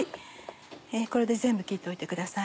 これで全部切っておいてください。